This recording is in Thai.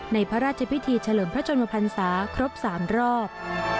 ในพระราชพิธีเฉลิมพระจรปรรพันธ์สาครบ๓รอบ